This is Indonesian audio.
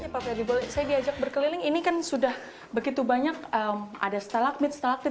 pak ferdi boleh saya diajak berkeliling ini kan sudah begitu banyak ada stalagmit stalaktit